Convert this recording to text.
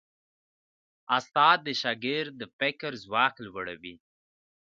استاد د شاګرد د فکر ځواک لوړوي.